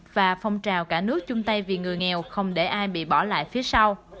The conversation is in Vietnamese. và phong trào cả nước chung tay vì người nghèo không để ai bị bỏ lại phía sau